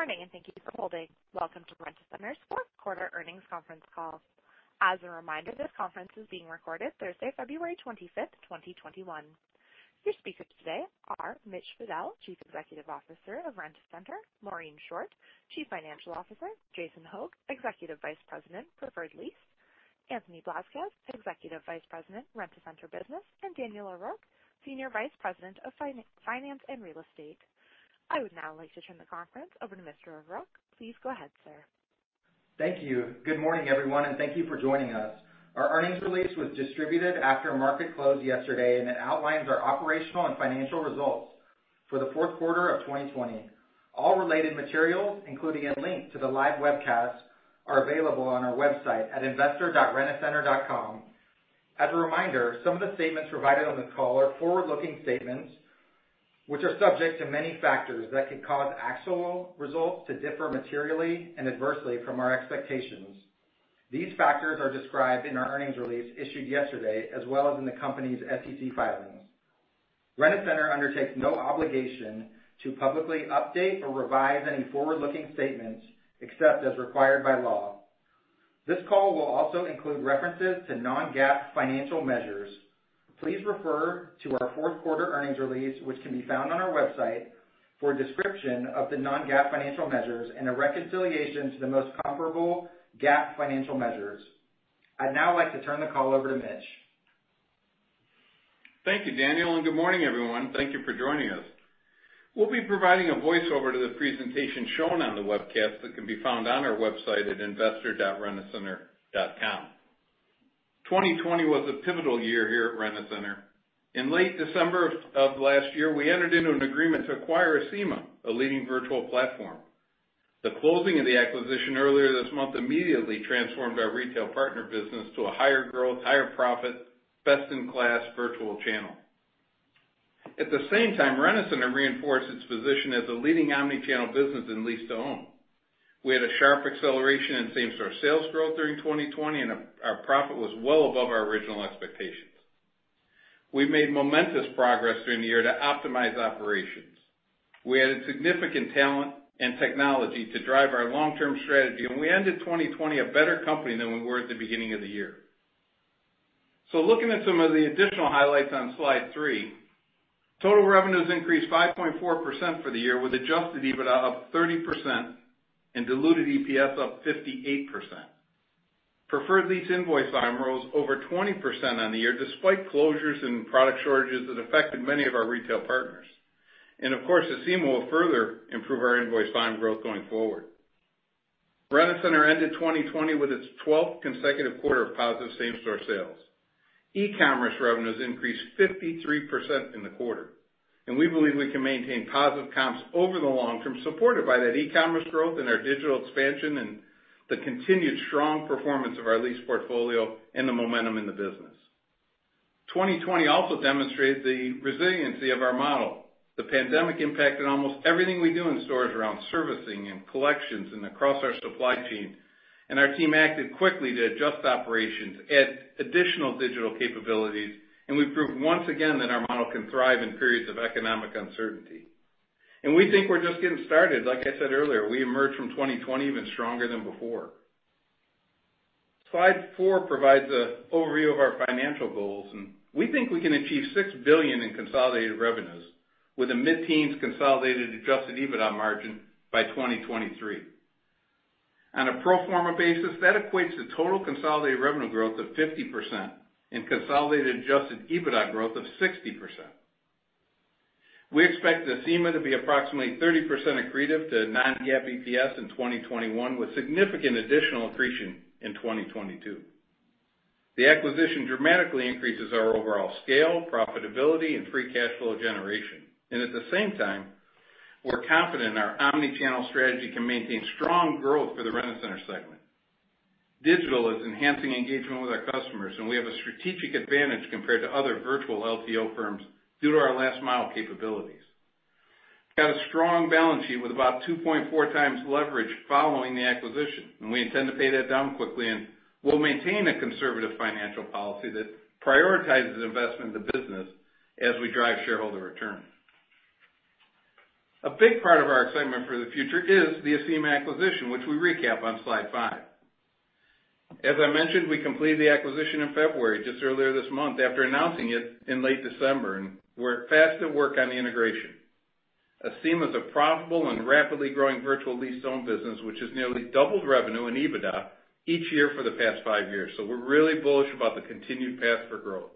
Morning, and thank you for holding. Welcome to Rent-A-Center's fourth quarter earnings conference call. As a reminder, this conference is being recorded Thursday, February 25th, 2021. Your speakers today are Mitch Fadel, Chief Executive Officer of Rent-A-Center, Maureen Short, Chief Financial Officer, Jason Hogg, Executive Vice President, Preferred Lease, Anthony Blasquez, Executive Vice President, Rent-A-Center Business, and Daniel O'Rourke, Senior Vice President of Finance and Real Estate. I would now like to turn the conference over to Mr. O'Rourke. Please go ahead, sir. Thank you. Good morning, everyone, and thank you for joining us. Our earnings release was distributed after market close yesterday, and it outlines our operational and financial results for the fourth quarter of 2020. All related materials, including a link to the live webcast, are available on our website at investor.rentacenter.com. As a reminder, some of the statements provided on this call are forward-looking statements which are subject to many factors that could cause actual results to differ materially and adversely from our expectations. These factors are described in our earnings release issued yesterday, as well as in the company's SEC filings. Rent-A-Center undertakes no obligation to publicly update or revise any forward-looking statements, except as required by law. This call will also include references to non-GAAP financial measures. Please refer to our fourth-quarter earnings release, which can be found on our website, for a description of the non-GAAP financial measures and a reconciliation to the most comparable GAAP financial measures. I'd now like to turn the call over to Mitch. Thank you, Daniel. Good morning, everyone. Thank you for joining us. We'll be providing a voiceover to the presentation shown on the webcast that can be found on our website at investor.rentacenter.com. 2020 was a pivotal year here at Rent-A-Center. In late December of last year, we entered into an agreement to acquire Acima, a leading virtual platform. The closing of the acquisition earlier this month immediately transformed our retail partner business to a higher growth, higher profit, best-in-class virtual channel. At the same time, Rent-A-Center reinforced its position as a leading omni-channel business in lease-to-own. We had a sharp acceleration in same-store sales growth during 2020, and our profit was well above our original expectations. We made momentous progress during the year to optimize operations. We added significant talent and technology to drive our long-term strategy, and we ended 2020 a better company than we were at the beginning of the year. Looking at some of the additional highlights on slide three, total revenues increased 5.4% for the year, with adjusted EBITDA up 30% and diluted EPS up 58%. Preferred Lease invoice volume rose over 20% on the year, despite closures and product shortages that affected many of our retail partners. Of course, Acima will further improve our invoice volume growth going forward. Rent-A-Center ended 2020 with its 12th consecutive quarter of positive same-store sales. E-commerce revenues increased 53% in the quarter. We believe we can maintain positive comps over the long-term, supported by that e-commerce growth and our digital expansion and the continued strong performance of our lease portfolio and the momentum in the business. 2020 also demonstrated the resiliency of our model. The pandemic impacted almost everything we do in stores around servicing and collections and across our supply chain, our team acted quickly to adjust operations, add additional digital capabilities, and we've proved once again that our model can thrive in periods of economic uncertainty. We think we're just getting started. Like I said earlier, we emerged from 2020 even stronger than before. Slide four provides an overview of our financial goals, we think we can achieve $6 billion in consolidated revenues with a mid-teens consolidated adjusted EBITDA margin by 2023. On a pro forma basis, that equates to total consolidated revenue growth of 50% and consolidated adjusted EBITDA growth of 60%. We expect Acima to be approximately 30% accretive to non-GAAP EPS in 2021, with significant additional accretion in 2022. The acquisition dramatically increases our overall scale, profitability, and free cash flow generation. At the same time, we're confident our omni-channel strategy can maintain strong growth for the Rent-A-Center segment. Digital is enhancing engagement with our customers, and we have a strategic advantage compared to other virtual LTO firms due to our last-mile capabilities. We've got a strong balance sheet with about 2.4x leverage following the acquisition, and we intend to pay that down quickly, and we'll maintain a conservative financial policy that prioritizes investment in the business as we drive shareholder returns. A big part of our excitement for the future is the Acima acquisition, which we recap on slide five. As I mentioned, we completed the acquisition in February, just earlier this month, after announcing it in late December, and we're fast at work on the integration. Acima is a profitable and rapidly growing virtual lease-to-own business, which has nearly doubled revenue and EBITDA each year for the past five years. We're really bullish about the continued path for growth.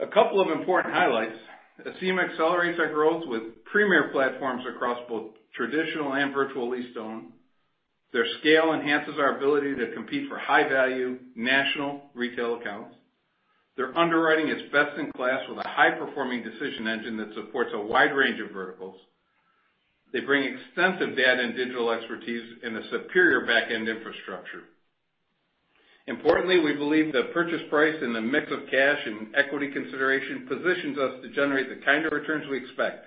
A couple of important highlights. Acima accelerates our growth with premier platforms across both traditional and virtual lease-to-own. Their scale enhances our ability to compete for high-value national retail accounts. Their underwriting is best in class with a high-performing decision engine that supports a wide range of verticals. They bring extensive data and digital expertise and a superior back-end infrastructure. Importantly, we believe the purchase price and the mix of cash and equity consideration positions us to generate the kind of returns we expect.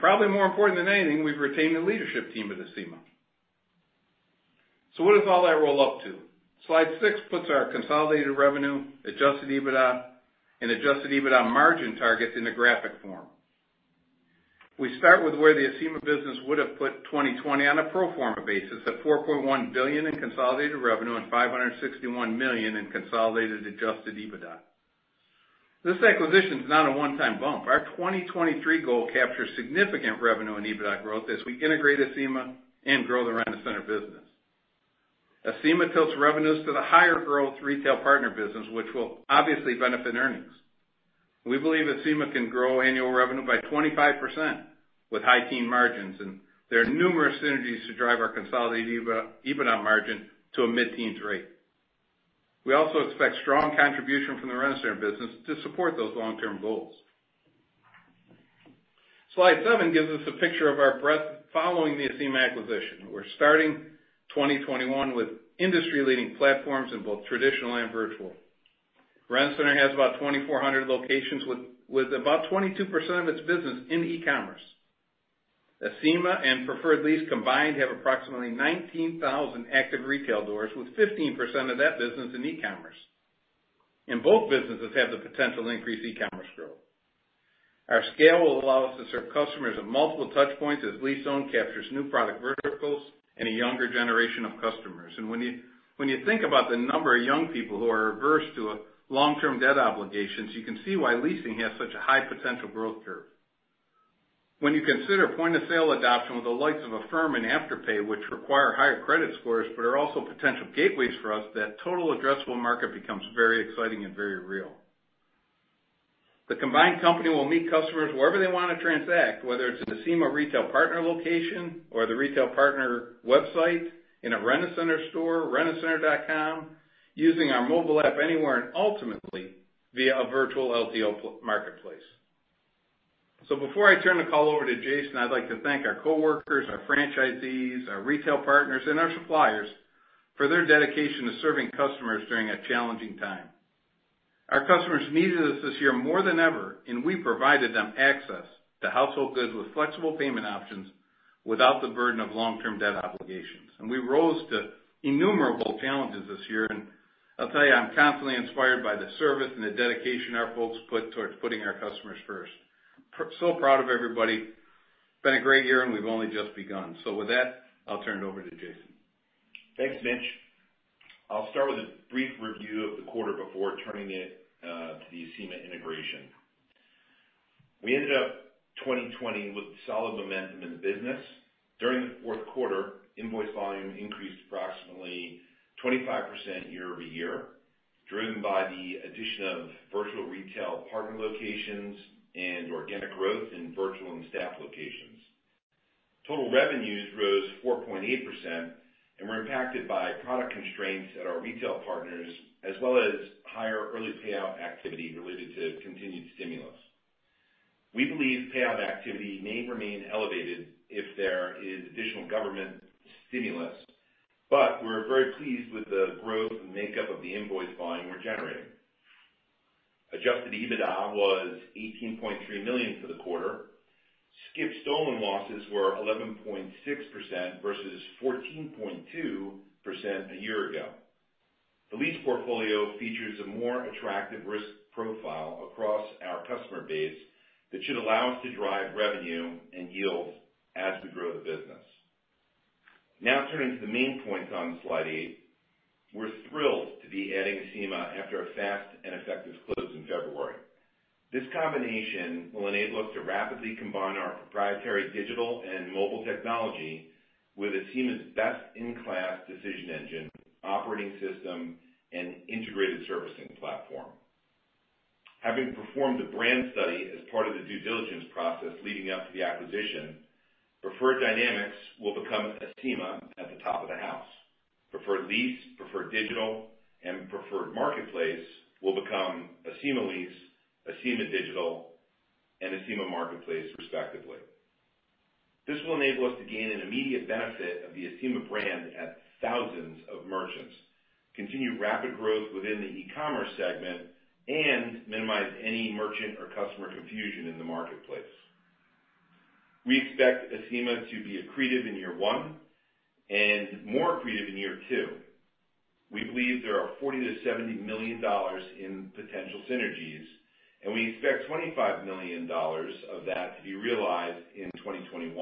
Probably more important than anything, we've retained the leadership team at Acima. What does all that roll up to? Slide six puts our consolidated revenue, adjusted EBITDA, and adjusted EBITDA margin targets into graphic form. We start with where the Acima business would've put 2020 on a pro forma basis at $4.1 billion in consolidated revenue and $561 million in consolidated adjusted EBITDA. This acquisition's not a one-time bump. Our 2023 goal captures significant revenue and EBITDA growth as we integrate Acima and grow the Rent-A-Center business. Acima tilts revenues to the higher growth retail partner business, which will obviously benefit earnings. We believe Acima can grow annual revenue by 25% with high teen margins. There are numerous synergies to drive our consolidated EBITDA margin to a mid-teens rate. We also expect strong contribution from the Rent-A-Center business to support those long-term goals. Slide seven gives us a picture of our breadth following the Acima acquisition. We're starting 2021 with industry-leading platforms in both traditional and virtual. Rent-A-Center has about 2,400 locations, with about 22% of its business in e-commerce. Acima and Preferred Lease combined have approximately 19,000 active retail doors, with 15% of that business in e-commerce. Both businesses have the potential to increase e-commerce growth. Our scale will allow us to serve customers at multiple touch points as lease-to-own captures new product verticals and a younger generation of customers. When you think about the number of young people who are averse to long-term debt obligations, you can see why leasing has such a high potential growth curve. When you consider point-of-sale adoption with the likes of Affirm and Afterpay, which require higher credit scores but are also potential gateways for us, that total addressable market becomes very exciting and very real. The combined company will meet customers wherever they want to transact, whether it's an Acima retail partner location or the retail partner website, in a Rent-A-Center store, rentacenter.com, using our mobile app anywhere, and ultimately, via a virtual LTO marketplace. Before I turn the call over to Jason, I'd like to thank our coworkers, our franchisees, our retail partners, and our suppliers for their dedication to serving customers during a challenging time. Our customers needed us this year more than ever, we provided them access to household goods with flexible payment options without the burden of long-term debt obligations. We rose to innumerable challenges this year. I'll tell you, I'm constantly inspired by the service and the dedication our folks put towards putting our customers first. Proud of everybody. It's been a great year, and we've only just begun. With that, I'll turn it over to Jason. Thanks, Mitch. I'll start with a brief review of the quarter before turning it to the Acima integration. We ended up 2020 with solid momentum in the business. During the fourth quarter, invoice volume increased approximately 25% year-over-year, driven by the addition of virtual retail partner locations and organic growth in virtual and staffed locations. Total revenues rose 4.8% and were impacted by product constraints at our retail partners, as well as higher early payout activity related to continued stimulus. We believe payout activity may remain elevated if there is additional government stimulus, but we're very pleased with the growth and makeup of the invoice volume we're generating. Adjusted EBITDA was $18.3 million for the quarter. Skip/stolen losses were 11.6% versus 14.2% a year ago. The lease portfolio features a more attractive risk profile across our customer base that should allow us to drive revenue and yields as we grow the business. Now turning to the main points on slide eight. We're thrilled to be adding Acima after a fast and effective close in February. This combination will enable us to rapidly combine our proprietary digital and mobile technology with Acima's best-in-class decision engine, operating system, and integrated servicing platform. Having performed a brand study as part of the due diligence process leading up to the acquisition, Preferred Dynamix will become Acima at the top of the house. Preferred Lease, Preferred Digital, and Acima Marketplace will become Acima Lease, Acima Digital, and Acima Marketplace respectively. This will enable us to gain an immediate benefit of the Acima brand at thousands of merchants, continue rapid growth within the e-commerce segment, and minimize any merchant or customer confusion in the marketplace. We expect Acima to be accretive in year one and more accretive in year two. We believe there are $40 million-$70 million in potential synergies, we expect $25 million of that to be realized in 2021.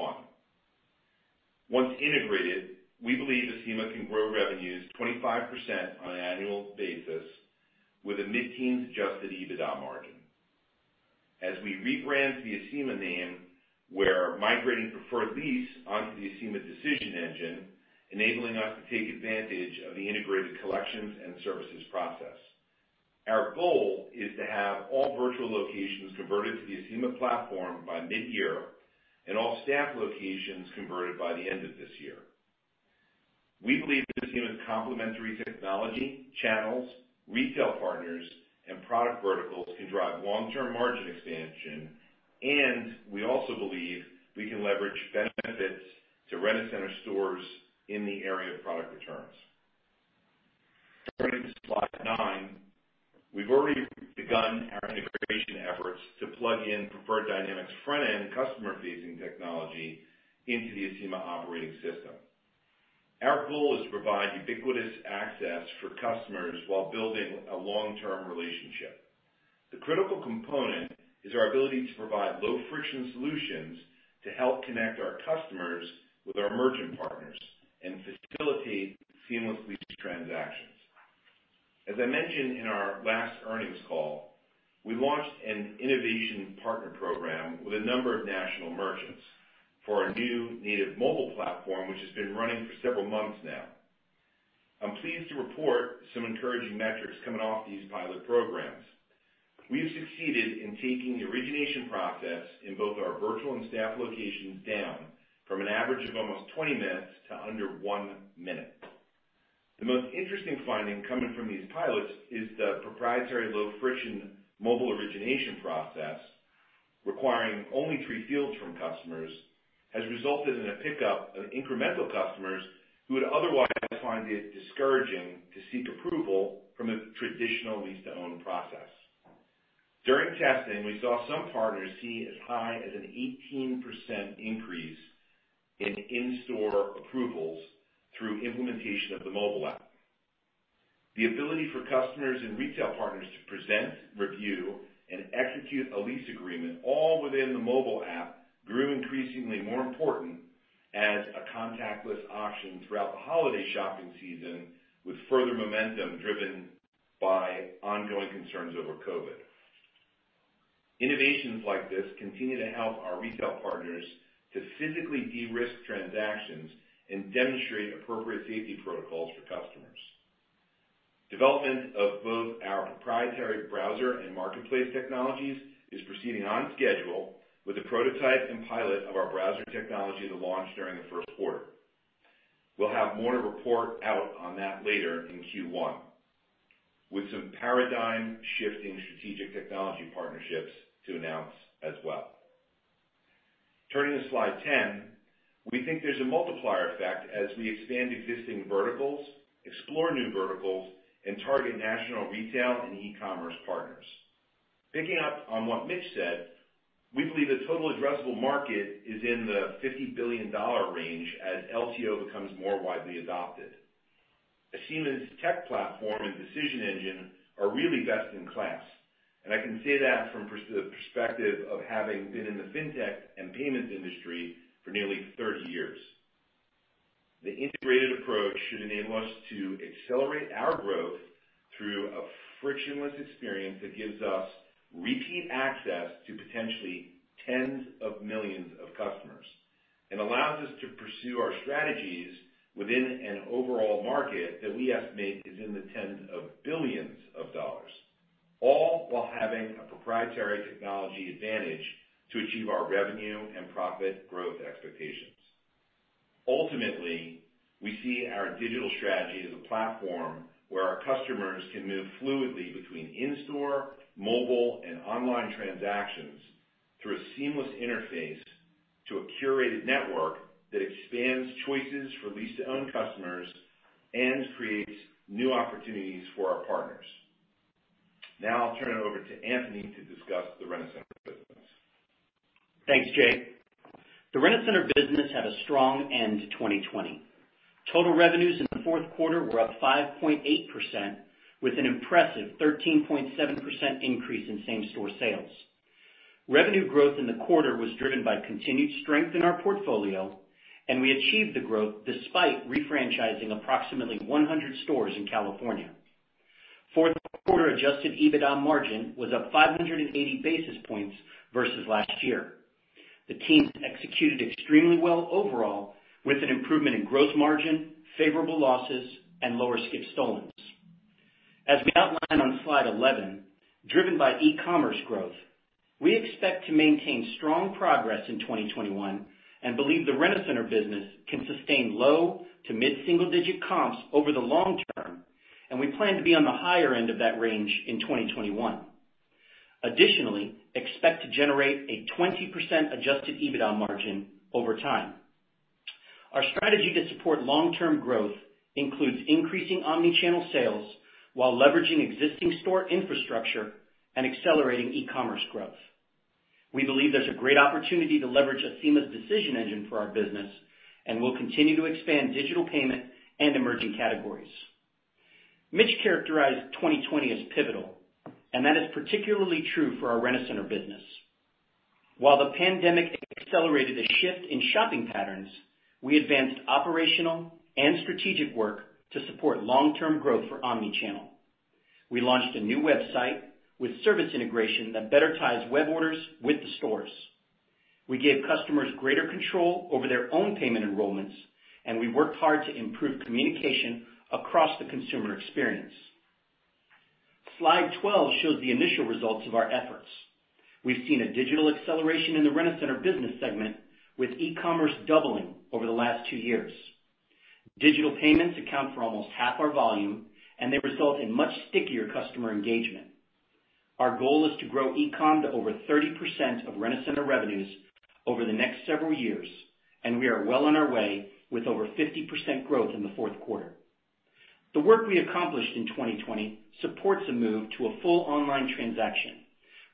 Once integrated, we believe Acima can grow revenues 25% on an annual basis with a mid-teens adjusted EBITDA margin. As we rebrand to the Acima name, we're migrating Preferred Lease onto the Acima decision engine, enabling us to take advantage of the integrated collections and services process. Our goal is to have all virtual locations converted to the Acima platform by mid-year and all staffed locations converted by the end of this year. We believe that Acima's complementary technology, channels, retail partners, and product verticals can drive long-term margin expansion, and we also believe we can leverage benefits to Rent-A-Center stores in the area of product returns. Turning to slide nine. We've already begun our integration efforts to plug in Preferred Dynamix' front-end customer-facing technology into the Acima operating system. Our goal is to provide ubiquitous access for customers while building a long-term relationship. The critical component is our ability to provide low-friction solutions to help connect our customers with our merchant partners and facilitate seamless lease transactions. As I mentioned in our last earnings call, we launched an innovation partner program with a number of national merchants for our new native mobile platform, which has been running for several months now. I'm pleased to report some encouraging metrics coming off these pilot programs. We've succeeded in taking the origination process in both our virtual and staff locations down from an average of almost 20 minutes to under 1 minute. The most interesting finding coming from these pilots is the proprietary low-friction mobile origination process, requiring only three fields from customers, has resulted in a pickup of incremental customers who would otherwise find it discouraging to seek approval from a traditional lease-to-own process. During testing, we saw some partners see as high as an 18% increase in in-store approvals through implementation of the mobile app. The ability for customers and retail partners to present, review, and execute a lease agreement all within the mobile app grew increasingly more important as a contactless option throughout the holiday shopping season, with further momentum driven by ongoing concerns over COVID. Innovations like this continue to help our retail partners to physically de-risk transactions and demonstrate appropriate safety protocols for customers. Development of both our proprietary browser and marketplace technologies is proceeding on schedule with a prototype and pilot of our browser technology to launch during the first quarter. We'll have more to report out on that later in Q1, with some paradigm-shifting strategic technology partnerships to announce as well. Turning to slide 10. We think there's a multiplier effect as we expand existing verticals, explore new verticals, and target national retail and e-commerce partners. Picking up on what Mitch said, we believe the total addressable market is in the $50 billion range as LTO becomes more widely adopted. Acima's tech platform and decision engine are really best in class, and I can say that from the perspective of having been in the Fintech and payments industry for nearly 30 years. The integrated approach should enable us to accelerate our growth through a frictionless experience that gives us repeat access to potentially tens of millions of customers and allows us to pursue our strategies within an overall market that we estimate is in the tens of billions of dollars, all while having a proprietary technology advantage to achieve our revenue and profit growth expectations. Ultimately, we see our digital strategy as a platform where our customers can move fluidly between in-store, mobile, and online transactions through a seamless interface to a curated network that expands choices for lease-to-own customers and creates new opportunities for our partners. Now I'll turn it over to Anthony to discuss the Rent-A-Center business. Thanks, Jay. The Rent-A-Center business had a strong end 2020. Total revenues in the fourth quarter were up 5.8%, with an impressive 13.7% increase in same-store sales. Revenue growth in the quarter was driven by continued strength in our portfolio, and we achieved the growth despite refranchising approximately 100 stores in California. Fourth quarter adjusted EBITDA margin was up 580 basis points versus last year. The team executed extremely well overall with an improvement in gross margin, favorable losses, and lower skip/stolen. As we outlined on slide 11, driven by e-commerce growth, we expect to maintain strong progress in 2021 and believe the Rent-A-Center business can sustain low to mid-single-digit comps over the long-term, and we plan to be on the higher end of that range in 2021. Expect to generate a 20% adjusted EBITDA margin over time. Our strategy to support long-term growth includes increasing omni-channel sales while leveraging existing store infrastructure and accelerating e-commerce growth. We believe there's a great opportunity to leverage Acima's decision engine for our business, and we'll continue to expand digital payment and emerging categories. Mitch characterized 2020 as pivotal, and that is particularly true for our Rent-A-Center business. While the pandemic accelerated a shift in shopping patterns, we advanced operational and strategic work to support long-term growth for omni-channel. We launched a new website with service integration that better ties web orders with the stores. We gave customers greater control over their own payment enrollments, and we worked hard to improve communication across the consumer experience. Slide 12 shows the initial results of our efforts. We've seen a digital acceleration in the Rent-A-Center business segment, with e-commerce doubling over the last two years. Digital payments account for almost half our volume, and they result in much stickier customer engagement. Our goal is to grow e-commerce to over 30% of Rent-A-Center revenues over the next several years, and we are well on our way with over 50% growth in the fourth quarter. The work we accomplished in 2020 supports a move to a full online transaction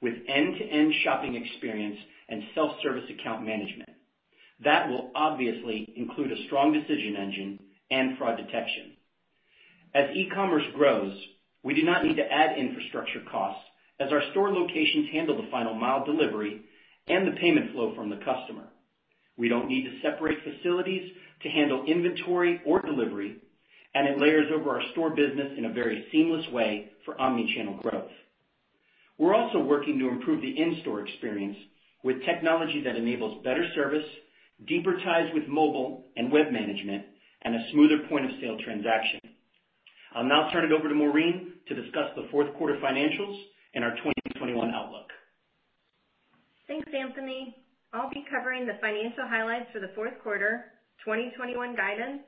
with end-to-end shopping experience and self-service account management. That will obviously include a strong decision engine and fraud detection. As e-commerce grows, we do not need to add infrastructure costs as our store locations handle the final mile delivery and the payment flow from the customer. We don't need to separate facilities to handle inventory or delivery, and it layers over our store business in a very seamless way for omni-channel growth. We're also working to improve the in-store experience with technology that enables better service, deeper ties with mobile and web management, and a smoother point-of-sale transaction. I'll now turn it over to Maureen to discuss the fourth quarter financials and our 2021 outlook. Thanks, Anthony. I'll be covering the financial highlights for the fourth quarter 2021 guidance,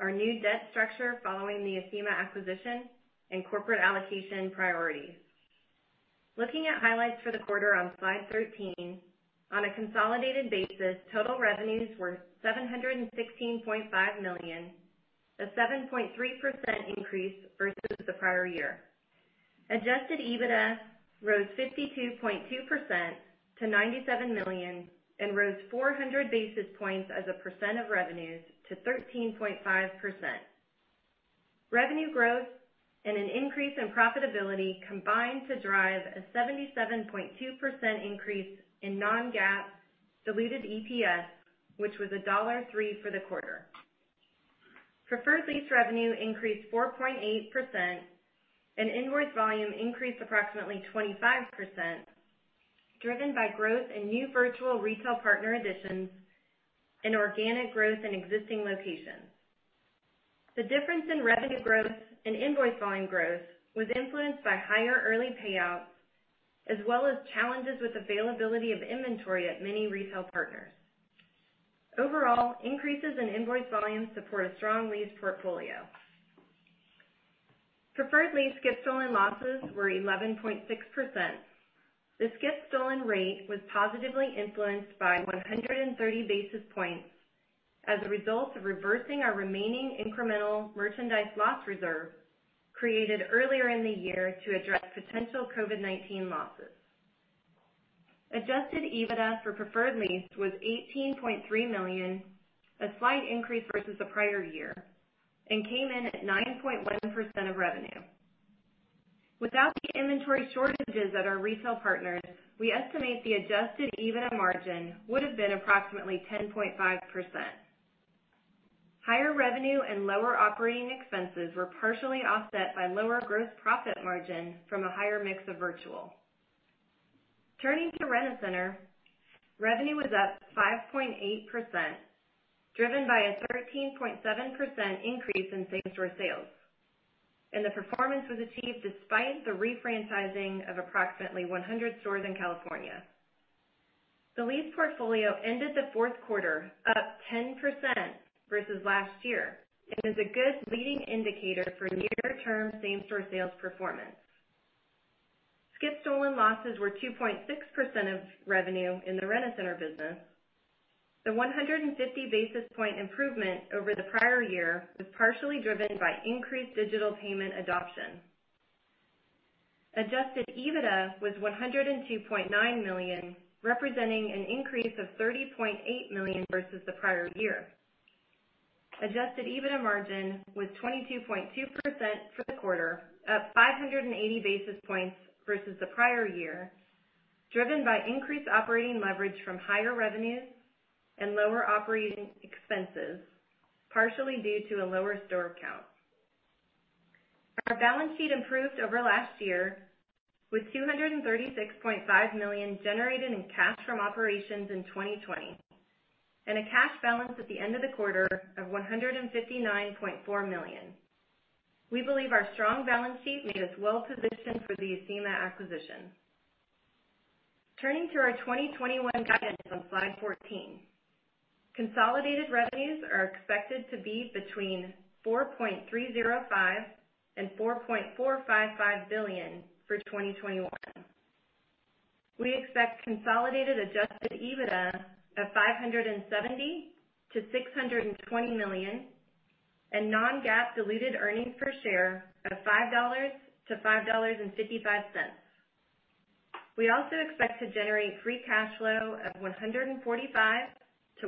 our new debt structure following the Acima acquisition, and corporate allocation priorities. Looking at highlights for the quarter on slide 13, on a consolidated basis, total revenues were $716.5 million, a 7.3% increase versus the prior year. Adjusted EBITDA rose 52.2% to $97 million and rose 400 basis points as a percent of revenues to 13.5%. Revenue growth and an increase in profitability combined to drive a 77.2% increase in non-GAAP diluted EPS, which was a $1.03 for the quarter. Preferred Lease revenue increased 4.8% and invoice volume increased approximately 25%, driven by growth in new virtual retail partner additions and organic growth in existing locations. The difference in revenue growth and invoice volume growth was influenced by higher early payouts, as well as challenges with availability of inventory at many retail partners. Overall, increases in invoice volume support a strong lease portfolio. Preferred Lease skip-stolen losses were 11.6%. The skip-stolen rate was positively influenced by 130 basis points as a result of reversing our remaining incremental merchandise loss reserve created earlier in the year to address potential COVID-19 losses. Adjusted EBITDA for Preferred Lease was $18.3 million, a slight increase versus the prior year, came in at 9.1% of revenue. Without the inventory shortages at our retail partners, we estimate the adjusted EBITDA margin would have been approximately 10.5%. Higher revenue and lower operating expenses were partially offset by lower gross profit margin from a higher mix of virtual. Turning to Rent-A-Center, revenue was up 5.8%, driven by a 13.7% increase in same-store sales. The performance was achieved despite the refranchising of approximately 100 stores in California. The lease portfolio ended the fourth quarter up 10% versus last year and is a good leading indicator for near-term same-store sales performance. skip/stolen losses were 2.6% of revenue in the Rent-A-Center Business. The 150 basis point improvement over the prior year was partially driven by increased digital payment adoption. Adjusted EBITDA was $102.9 million, representing an increase of $30.8 million versus the prior year. Adjusted EBITDA margin was 22.2% for the quarter, up 580 basis points versus the prior year, driven by increased operating leverage from higher revenues and lower operating expenses, partially due to a lower store count. Our balance sheet improved over last year with $236.5 million generated in cash from operations in 2020, and a cash balance at the end of the quarter of $159.4 million. We believe our strong balance sheet made us well-positioned for the Acima acquisition. Turning to our 2021 guidance on slide 14. Consolidated revenues are expected to be between $4.305 billion and $4.455 billion for 2021. We expect consolidated adjusted EBITDA of $570 million-$620 million and non-GAAP diluted earnings per share of $5-$5.55. We also expect to generate free cash flow of $145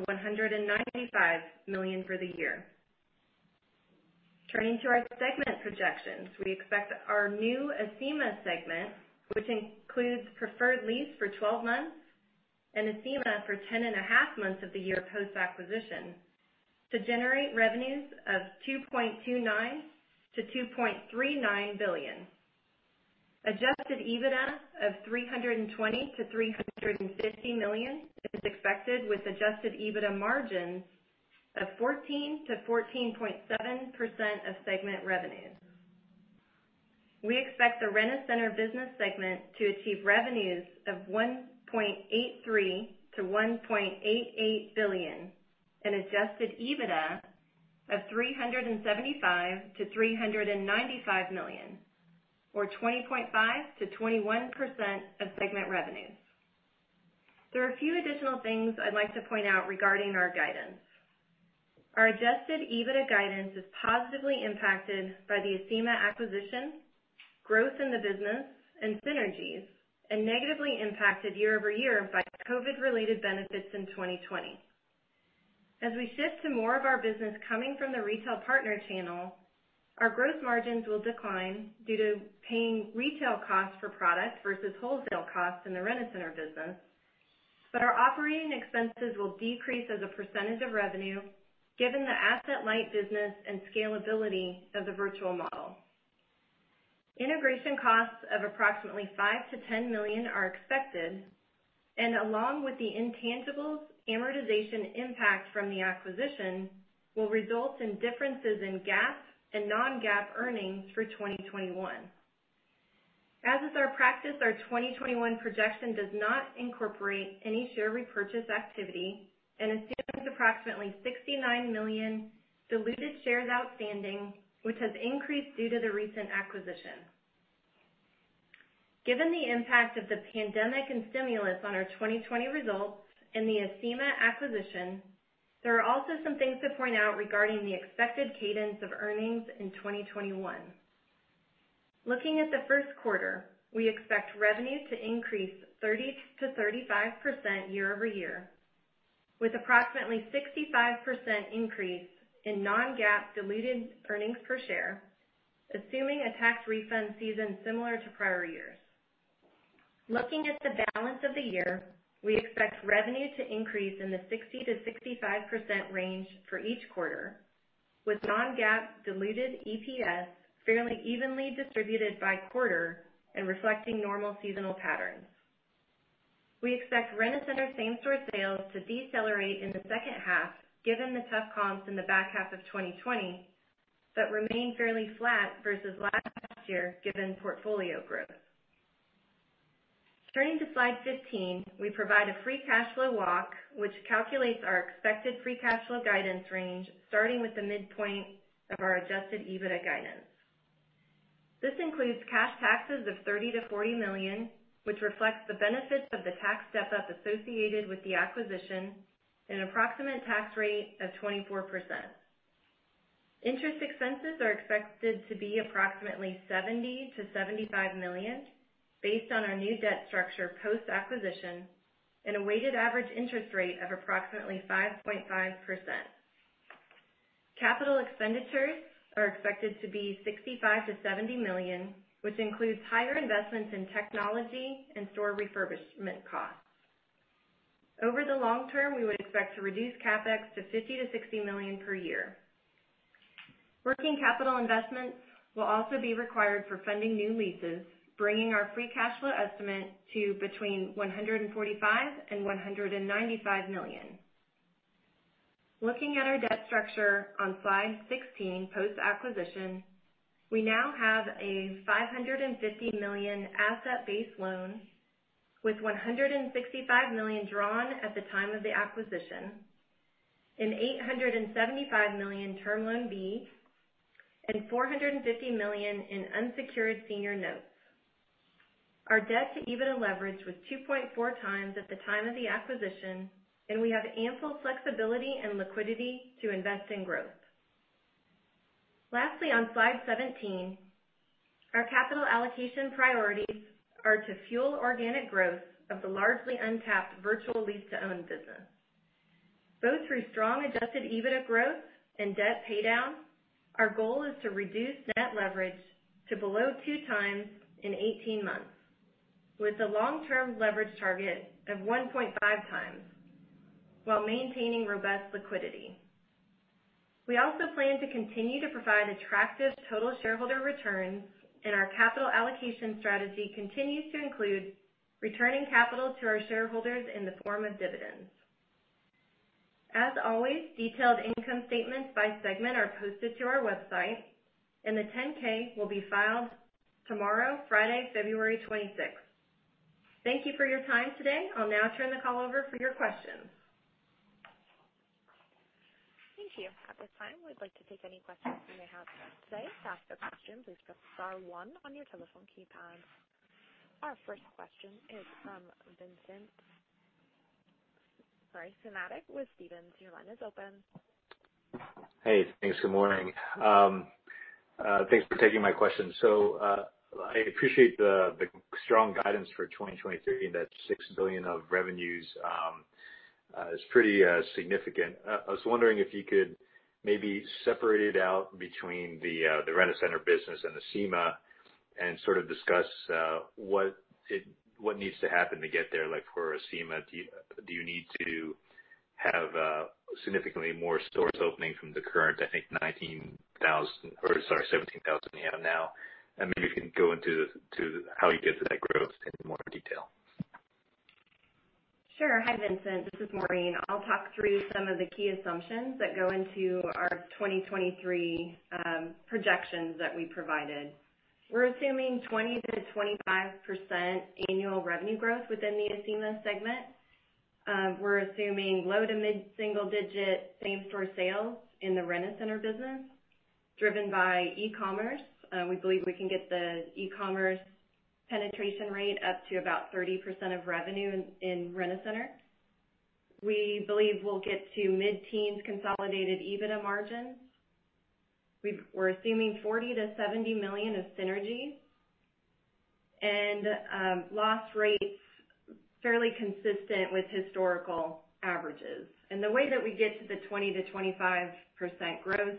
million-$195 million for the year. Turning to our segment projections, we expect our new Acima segment, which includes Preferred Lease for 12 months and Acima for 10.5 Months of the year post-acquisition, to generate revenues of $2.29 billion-$2.39 billion. Adjusted EBITDA of $320 million-$350 million is expected, with adjusted EBITDA margins of 14%-14.7% of segment revenues. We expect the Rent-A-Center business segment to achieve revenues of $1.83 billion-$1.88 billion and adjusted EBITDA of $375 million-$395 million, or 20.5%-21% of segment revenues. There are a few additional things I'd like to point out regarding our guidance. Our adjusted EBITDA guidance is positively impacted by the Acima acquisition, growth in the business, and synergies, and negatively impacted year-over-year by COVID-related benefits in 2020. As we shift to more of our business coming from the retail partner channel, our gross margins will decline due to paying retail costs for product versus wholesale costs in the Rent-A-Center business. Our operating expenses will decrease as a percentage of revenue, given the asset-light business and scalability of the virtual model. Integration costs of approximately $5 million-$10 million are expected, and along with the intangibles amortization impact from the acquisition, will result in differences in GAAP and non-GAAP earnings for 2021. As is our practice, our 2021 projection does not incorporate any share repurchase activity and assumes approximately 69 million diluted shares outstanding, which has increased due to the recent acquisition. Given the impact of the pandemic and stimulus on our 2020 results and the Acima acquisition, there are also some things to point out regarding the expected cadence of earnings in 2021. Looking at the first quarter, we expect revenue to increase 30%-35% year-over-year, with approximately 65% increase in non-GAAP diluted earnings per share, assuming a tax refund season similar to prior years. Looking at the balance of the year, we expect revenue to increase in the 60%-65% range for each quarter, with non-GAAP diluted EPS fairly evenly distributed by quarter and reflecting normal seasonal patterns. We expect Rent-A-Center same-store sales to decelerate in the second half given the tough comps in the back half of 2020, but remain fairly flat versus last year given portfolio growth. Turning to slide 15, we provide a free cash flow walk, which calculates our expected free cash flow guidance range, starting with the midpoint of our adjusted EBITDA guidance. This includes cash taxes of $30 million-$40 million, which reflects the benefits of the tax step-up associated with the acquisition and an approximate tax rate of 24%. Interest expenses are expected to be approximately $70 million-$75 million based on our new debt structure post-acquisition and a weighted average interest rate of approximately 5.5%. Capital expenditures are expected to be $65 million-$70 million, which includes higher investments in technology and store refurbishment costs. Over the long-term, we would expect to reduce CapEx to $50 million-$60 million per year. Working capital investments will also be required for funding new leases, bringing our free cash flow estimate to between $145 million and $195 million. Looking at our debt structure on slide 16, post-acquisition, we now have a $550 million asset-based loan with $165 million drawn at the time of the acquisition, an $875 million term loan B, and $450 million in unsecured senior notes. Our debt to EBITDA leverage was 2.4x at the time of the acquisition, and we have ample flexibility and liquidity to invest in growth. Lastly, on slide 17, our capital allocation priorities are to fuel organic growth of the largely untapped virtual lease-to-own business. Both through strong adjusted EBITDA growth and debt paydown, our goal is to reduce net leverage to below 2x in 18 months, with a long-term leverage target of 1.5x while maintaining robust liquidity. We also plan to continue to provide attractive total shareholder returns. Our capital allocation strategy continues to include returning capital to our shareholders in the form of dividends. As always, detailed income statements by segment are posted to our website. The 10-K will be filed tomorrow, Friday, February 26th. Thank you for your time today. I'll now turn the call over for your questions. Thank you. At this time, we'd like to take any questions you may have for us today. To ask a question, please press star one on your telephone keypad. Our first question is from Vincent, sorry, Caintic with Stephens. Your line is open. Hey, thanks. Good morning. Thanks for taking my question. I appreciate the strong guidance for 2023. That $6 billion of revenues is pretty significant. I was wondering if you could maybe separate it out between the Rent-A-Center business and Acima and sort of discuss what needs to happen to get there, like for Acima. Do you need to have significantly more stores opening from the current, I think 19,000 or sorry, 17,000 you have now? Maybe you can go into how you get to that growth in more detail. Sure. Hi, Vincent. This is Maureen. I'll talk through some of the key assumptions that go into our 2023 projections that we provided. We're assuming 20%-25% annual revenue growth within the Acima segment. We're assuming low- to mid-single-digit same-store sales in the Rent-A-Center business, driven by e-commerce. We believe we can get the e-commerce penetration rate up to about 30% of revenue in Rent-A-Center. We believe we'll get to mid-teens consolidated EBITDA margins. We're assuming $40 million-$70 million of synergies and loss rates fairly consistent with historical averages. The way that we get to the 20%-25% growth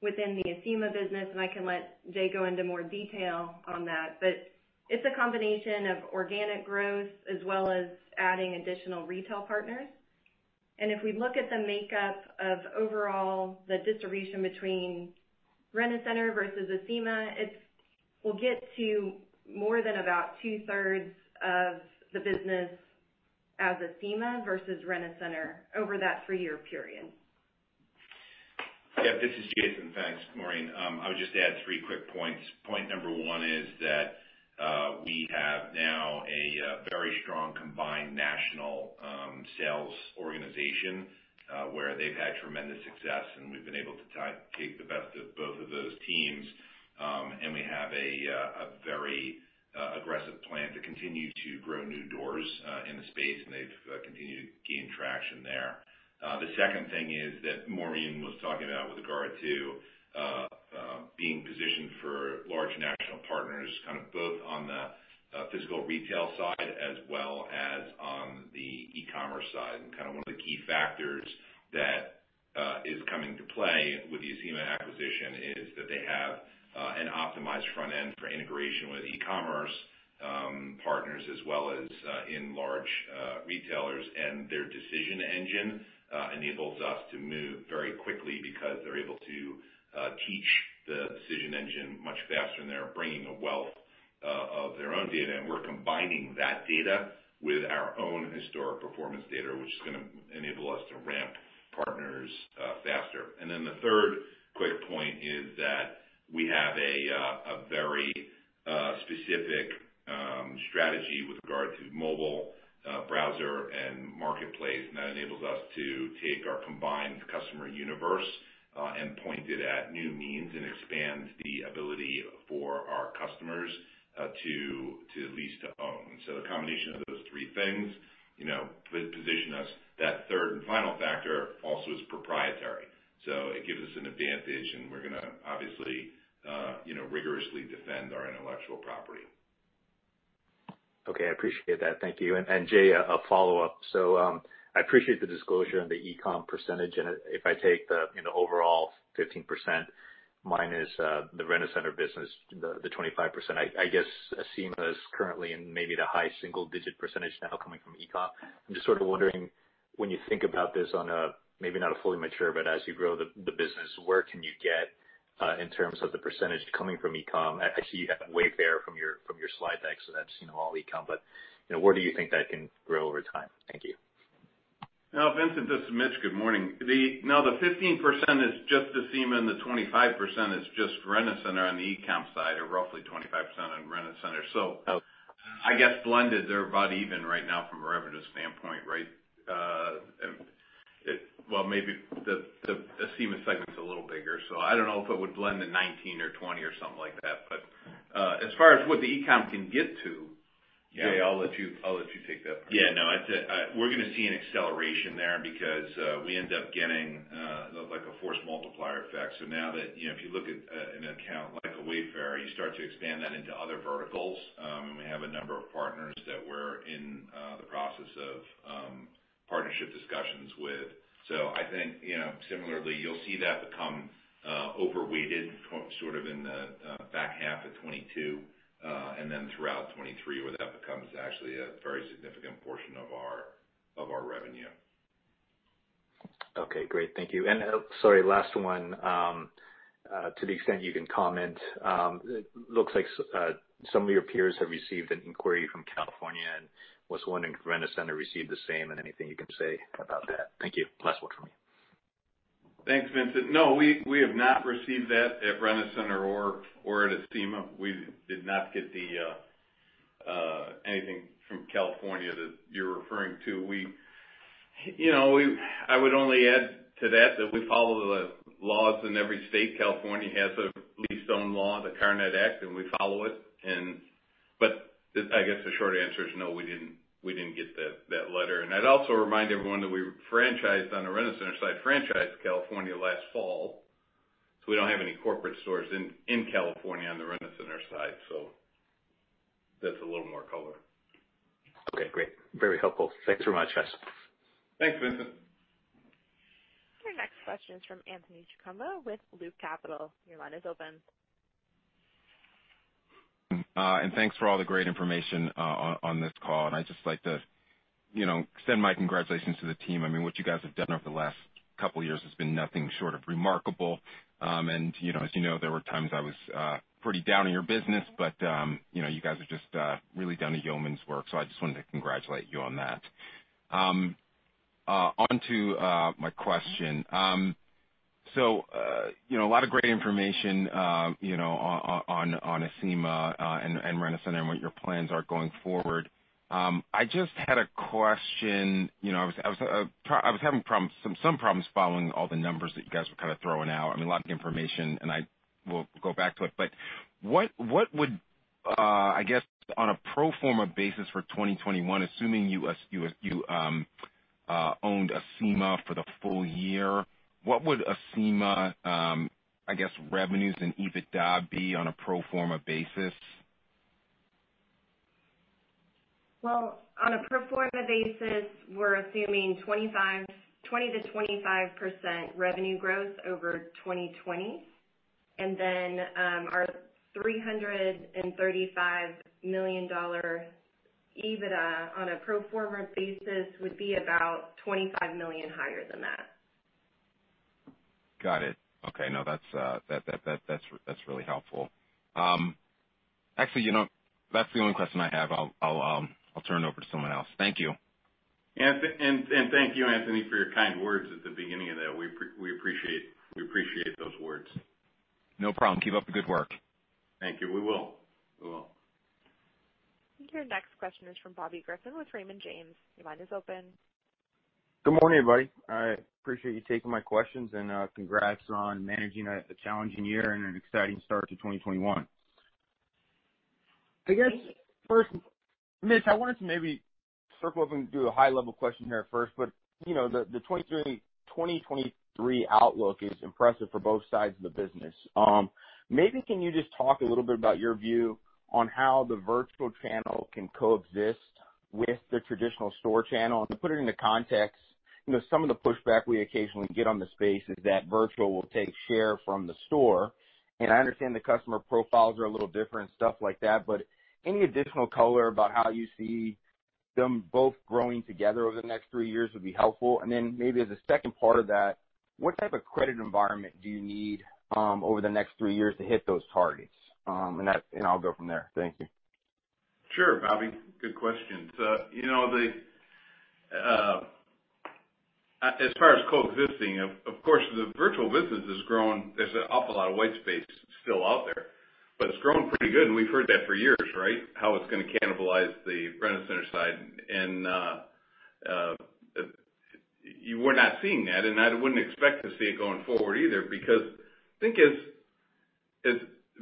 within the Acima business, and I can let Jay go into more detail on that, but it's a combination of organic growth as well as adding additional retail partners. If we look at the makeup of overall, the distribution between Rent-A-Center versus Acima, we'll get to more than about 2/3 of the business as Acima versus Rent-A-Center over that three-year period. Yep, this is Jason. Thanks, Maureen. I would just add three quick points. Point number one is that we have now a very strong combined national sales organization, where they've had tremendous success, and we've been able to take the best of both of those teams. We have a very aggressive plan to continue to grow new doors in the space, and they've continued to gain traction there. The second thing is that Maureen was talking about with regard to being positioned for large national partners, both on the physical retail side as well as on the e-commerce side. One of the key factors that is coming to play with the Acima acquisition is that they have an optimized front end for integration with e-commerce partners as well as in large retailers. Their decision engine enables us to move very quickly because they're able to teach the decision engine much faster, and they're bringing a wealth of their own data, and we're combining that data with our own historic performance data, which is going to enable us to ramp partners faster. The third quick point is that we have a very specific strategy with regard to mobile browser and marketplace, and that enables us to take our combined customer universe and point it at new means and expand the ability for our customers to lease-to-own. The combination of those three things position us. That third and final factor also is proprietary, so it gives us an advantage, and we're going to obviously rigorously defend our intellectual property. Okay. I appreciate that. Thank you. Jay, a follow-up. I appreciate the disclosure on the e-com percentage, and if I take the overall 15%- the Rent-A-Center business, the 25%, I guess Acima is currently in maybe the high single-digit percentage now coming from e-com. I'm just sort of wondering, when you think about this on a, maybe not a fully mature, but as you grow the business, where can you get in terms of the percentage coming from e-com? I see you have Wayfair from your slide deck, that's all e-com, but where do you think that can grow over time? Thank you. Now, Vincent, this is Mitch. Good morning. No, the 15% is just Acima, and the 25% is just Rent-A-Center on the e-com side, or roughly 25% on Rent-A-Center. Okay. I guess blended, they're about even right now from a revenue standpoint, right? Maybe the Acima segment's a little bigger, so I don't know if it would blend to 19 or 20 or something like that. As far as what the e-com can get to. Jay, I'll let you take that part. Yeah, no. We're going to see an acceleration there because we end up getting a force multiplier effect. Now that if you look at an account like a Wayfair, you start to expand that into other verticals, and we have a number of partners that we're in the process of partnership discussions with. I think similarly, you'll see that become over-weighted in the back half of 2022, and then throughout 2023, where that becomes actually a very significant portion of our revenue. Okay, great. Thank you. Sorry, last one. To the extent you can comment, it looks like some of your peers have received an inquiry from California and was wondering if Rent-A-Center received the same and anything you can say about that. Thank you. Last one for me. Thanks, Vincent. No, we have not received that at Rent-A-Center or at Acima. We did not get anything from California that you're referring to. I would only add to that we follow the laws in every state. California has a lease-own law, the Karnette Act. We follow it. I guess the short answer is no, we didn't get that letter. I'd also remind everyone that we franchised on the Rent-A-Center side, franchised California last fall. We don't have any corporate stores in California on the Rent-A-Center side. That's a little more color. Okay, great. Very helpful. Thanks so much, guys. Thanks, Vincent. Your next question is from Anthony Chukumba with Loop Capital. Your line is open. Thanks for all the great information on this call. I'd just like to send my congratulations to the team. What you guys have done over the last couple of years has been nothing short of remarkable. As you know, there were times I was pretty down on your business, but you guys have just really done a yeoman's work, so I just wanted to congratulate you on that. On to my question. A lot of great information on Acima and Rent-A-Center and what your plans are going forward. I just had a question. I was having some problems following all the numbers that you guys were kind of throwing out. I mean, a lot of information, and I will go back to it. What would, I guess, on a pro forma basis for 2021, assuming you owned Acima for the full year, what would Acima, I guess, revenues and EBITDA be on a pro forma basis? Well, on a pro forma basis, we're assuming 20%-25% revenue growth over 2020. Our $335 million EBITDA on a pro forma basis would be about $25 million higher than that. Got it. Okay. No, that's really helpful. Actually, that's the only question I have. I'll turn it over to someone else. Thank you. Thank you, Anthony, for your kind words at the beginning of that. We appreciate those words. No problem. Keep up the good work. Thank you. We will. Your next question is from Bobby Griffin with Raymond James. Your line is open. Good morning, everybody. I appreciate you taking my questions. Congrats on managing a challenging year and an exciting start to 2021. I guess first, Mitch, I wanted to maybe circle up and do a high-level question here first. The 2023 outlook is impressive for both sides of the business. Maybe can you just talk a little bit about your view on how the virtual channel can coexist with the traditional store channel, to put it into context, some of the pushback we occasionally get on the space is that virtual will take share from the store. I understand the customer profiles are a little different, stuff like that, any additional color about how you see them both growing together over the next three years would be helpful. Maybe as a second part of that, what type of credit environment do you need over the next three years to hit those targets? I'll go from there. Thank you. Sure, Bobby. Good questions. As far as coexisting, of course, the virtual business has grown. There's an awful lot of white space still out there, but it's grown pretty good, and we've heard that for years, right? How it's going to cannibalize the Rent-A-Center side. We're not seeing that, and I wouldn't expect to see it going forward either, because think as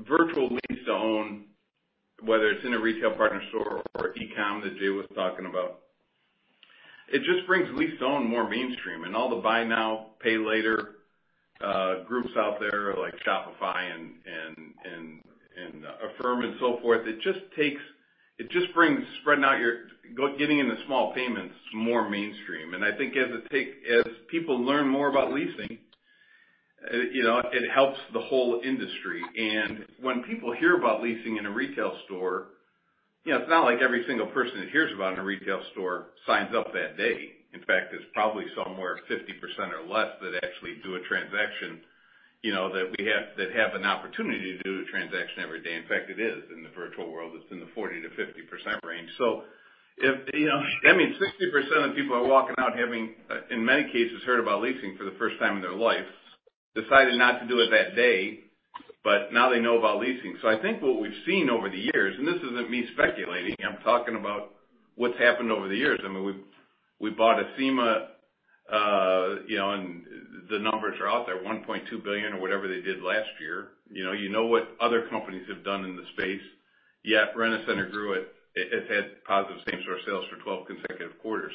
virtual lease-to-own, whether it's in a retail partner store or e-commerce that Jay was talking about, it just brings lease-to-own more mainstream. All the buy now, pay later groups out there like Shopify and Affirm and so forth, it just brings spreading out getting into small payments more mainstream. I think as people learn more about leasing, it helps the whole industry. When people hear about leasing in a retail store, it's not like every single person that hears about it in a retail store signs up that day. In fact, it's probably somewhere 50% or less that actually do a transaction, that have an opportunity to do a transaction every day. In fact, it is. In the virtual world, it's in the 40%-50% range. I mean, 60% of the people are walking out, having, in many cases, heard about leasing for the first time in their life, decided not to do it that day, but now they know about leasing. I think what we've seen over the years, and this isn't me speculating, I'm talking about what's happened over the years. I mean, we bought Acima, and the numbers are out there, $1.2 billion or whatever they did last year. You know what other companies have done in the space, yet Rent-A-Center grew it. It's had positive same store sales for 12 consecutive quarters.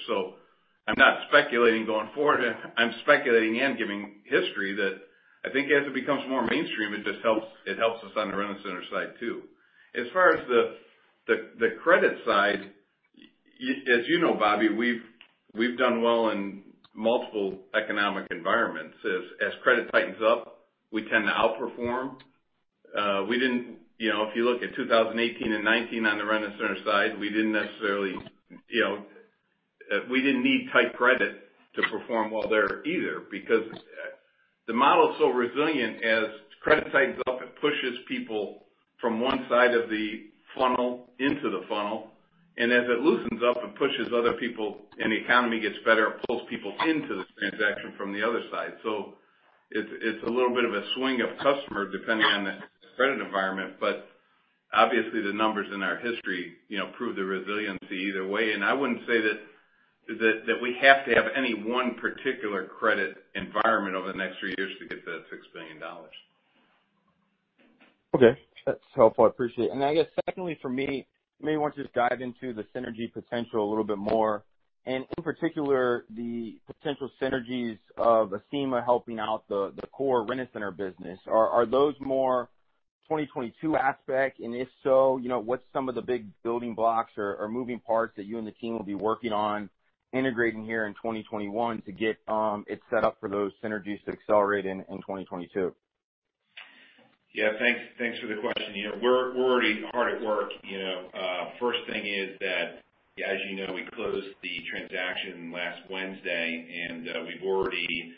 I'm not speculating going forward. I'm speculating and giving history that I think as it becomes more mainstream, it helps us on the Rent-A-Center side, too. As far as the credit side, as you know, Bobby, we've done well in multiple economic environments. As credit tightens up, we tend to outperform. If you look at 2018 and 2019 on the Rent-A-Center side, we didn't need tight credit to perform well there either because the model is so resilient. As credit tightens up, it pushes people from one side of the funnel into the funnel, and as it loosens up, it pushes other people, and the economy gets better, it pulls people into the transaction from the other side. It's a little bit of a swing of customer depending on the credit environment, but obviously the numbers in our history prove the resiliency either way. I wouldn't say that we have to have any one particular credit environment over the next three years to get to that $6 billion. Okay. That's helpful. I appreciate it. I guess secondly, for me, I may want to just dive into the synergy potential a little bit more, and in particular, the potential synergies of Acima helping out the core Rent-A-Center business. Are those more 2022 aspect? If so, what's some of the big building blocks or moving parts that you and the team will be working on integrating here in 2021 to get it set up for those synergies to accelerate in 2022? Yeah. Thanks for the question. We're already hard at work. First thing is that, as you know, we closed the transaction last Wednesday, we've already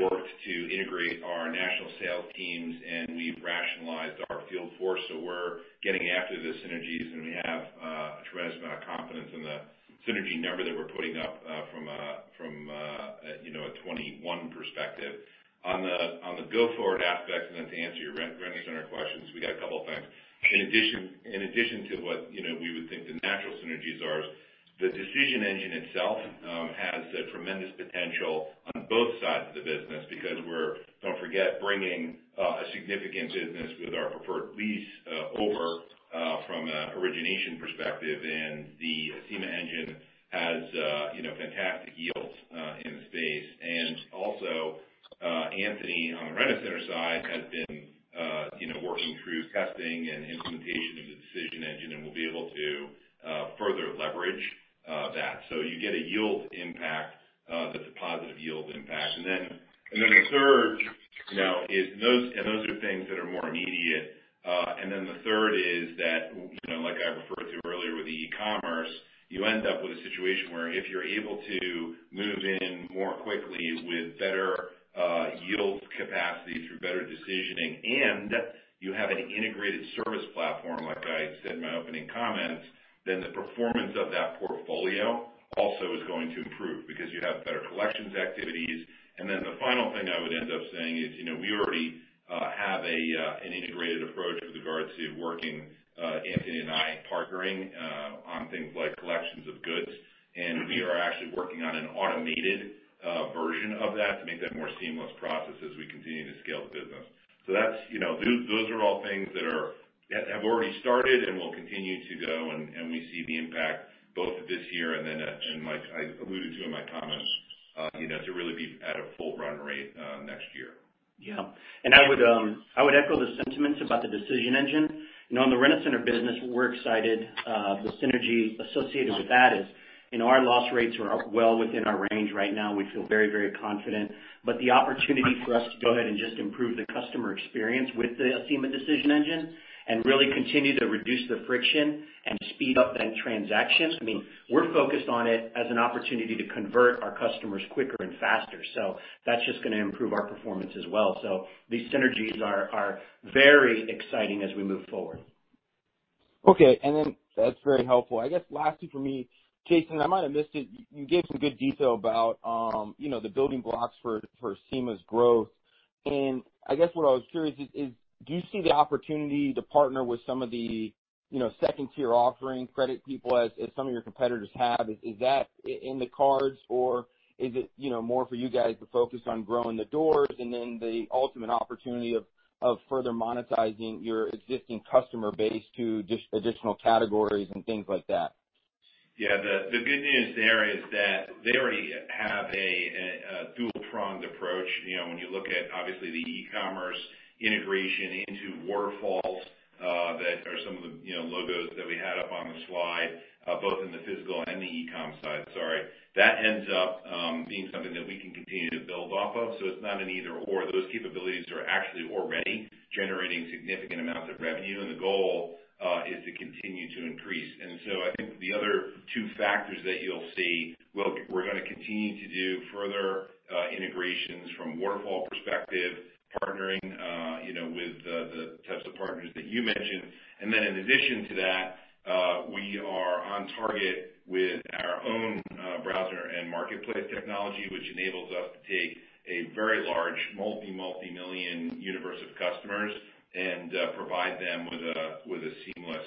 worked to integrate our national sales teams, we've rationalized our field force. We're getting after the synergies. Tremendous amount of confidence in the synergy number that we're putting up from a 2021 perspective. On the go-forward aspects, then to answer your Rent-A-Center questions, we got a couple of things. In addition to what we would think the natural synergies are, the decision engine itself has tremendous potential on both sides of the business because we're, don't forget, bringing a significant business with our Preferred Lease over from an origination perspective, and the Acima engine has fantastic yields in the space. Also, Anthony, on the Rent-A-Center side, has been working through testing and implementation of the decision engine, and we'll be able to further leverage that. You get a yield impact that's a positive yield impact. Those are things that are more immediate. The third is that, like I referred to earlier with the e-commerce, you end up with a situation where if you're able to move in more quickly with better yield capacity through better decisioning, and you have an integrated service platform, like I said in my opening comments, then the performance of that portfolio also is going to improve because you have better collections activities. The final thing I would end up saying is, we already have an integrated approach with regards to working, Anthony and I, partnering on things like collections of goods. We are actually working on an automated version of that to make that a more seamless process as we continue to scale the business. Those are all things that have already started and will continue to go, and we see the impact both this year and then, and I alluded to in my comments, to really be at a full run rate, next year. Yeah. I would echo the sentiments about the decision engine. On the Rent-A-Center business, we're excited. The synergy associated with that is our loss rates are well within our range right now, we feel very confident. The opportunity for us to go ahead and just improve the customer experience with the Acima decision engine and really continue to reduce the friction and speed up that transaction. We're focused on it as an opportunity to convert our customers quicker and faster, so that's just going to improve our performance as well. These synergies are very exciting as we move forward. Okay. That's very helpful. I guess lastly for me, Jason, I might have missed it. You gave some good detail about the building blocks for Acima's growth. I guess what I was curious is, do you see the opportunity to partner with some of the second-tier offering credit people as some of your competitors have? Is that in the cards or is it more for you guys to focus on growing the doors and then the ultimate opportunity of further monetizing your existing customer base to additional categories and things like that? Yeah. The good news there is that they already have a dual-pronged approach. When you look at, obviously, the e-commerce integration into waterfalls, that are some of the logos that we had up on the slide, both in the physical and the e-com side, sorry. That ends up being something that we can continue to build off of. It's not an either/or. Those capabilities are actually already generating significant amounts of revenue and the goal is to continue to increase. I think the other two factors that you'll see, we're going to continue to do further integrations from waterfall perspective, partnering with the types of partners that you mentioned. In addition to that, we are on target with our own browser and marketplace technology, which enables us to take a very large multi-million universe of customers and provide them with a seamless